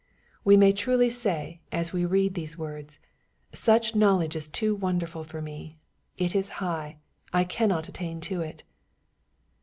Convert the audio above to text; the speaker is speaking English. We may truly say, as we read these words, " Such knowledge is too wonderful for me ; it is high, I cannot attain to it."